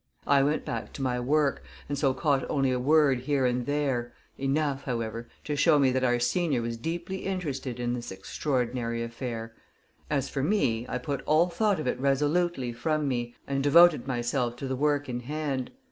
I went back to my work, and so caught only a word here and there enough, however, to show me that our senior was deeply interested in this extraordinary affair. As for me, I put all thought of it resolutely from me, and devoted myself to the work in hand.